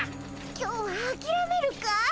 今日はあきらめるかい？